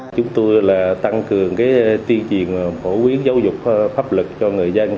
chúng tôi là tăng cường tiên triền phổ biến giáo dục pháp lực cho người dân